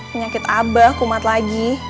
penyakit abah kumat lagi